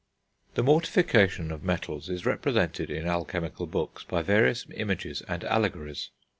The mortification of metals is represented in alchemical books by various images and allegories.